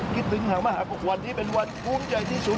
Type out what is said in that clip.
คิดถึงหางมหากวันนี้เป็นวันภูมิใจที่สุด